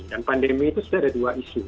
dan pandemi itu sudah ada dua isu